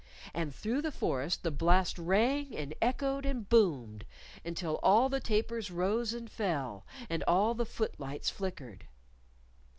And through the forest the blast rang and echoed and boomed until all the tapers rose and fell, and all the footlights flickered.